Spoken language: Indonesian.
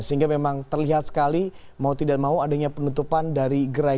sehingga memang terlihat sekali mau tidak mau adanya penutupan dari gerai